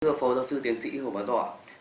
thưa phó giáo sư tiến sĩ hồ bá dọ